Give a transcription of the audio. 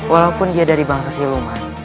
walaupun dia dari bangsa siluman